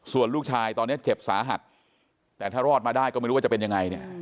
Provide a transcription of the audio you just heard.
ส่วนลูกชายตอนนี้เจ็บสาหัสแต่ถ้ารอดมาได้ก็ไม่รู้ว่าจะเป็นยังไงเนี่ย